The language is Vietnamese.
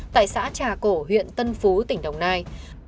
tại xã trà cổ huyện tân phú tỉnh đồng nai